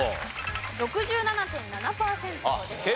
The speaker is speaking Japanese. ６７．７パーセントでした。